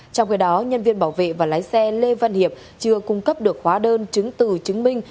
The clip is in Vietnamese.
trong khi đó nhân viên bảo vệ và lái xe lê văn hiệp chưa cung cấp được khóa đơn chứng từ chứng minh